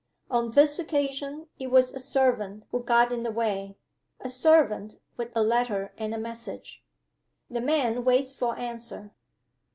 On this occasion, it was a servant who got in the way a servant, with a letter and a message. "The man waits for answer."